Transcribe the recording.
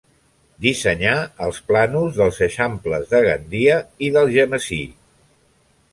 Dissenyà els plànols dels eixamples de Gandia i d'Algemesí.